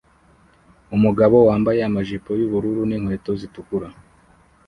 Umugabo wambaye amajipo yubururu ninkweto zitukura